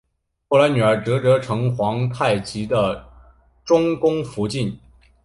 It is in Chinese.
后来女儿哲哲成皇太极的中宫福晋。